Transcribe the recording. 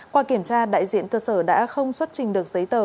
qua kiểm tra đại diện cơ sở đã không xuất trình được giấy tờ